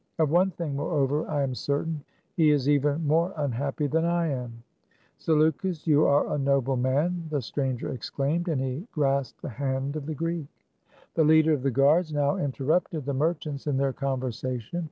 Of one thing, moreover, I am certain — he is even more unhappy than I am." " Zaleukos, you are a noble man," the stranger exclaimed ; and he grasped the hand of the Greek. The leader of the guards now interrupted the merchants in their conversation.